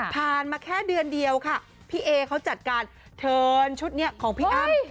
มาแค่เดือนเดียวค่ะพี่เอเขาจัดการเทิร์นชุดนี้ของพี่อ้ำ